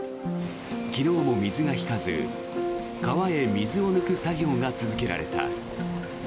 昨日も水が引かず川へ水を抜く作業が続けられた。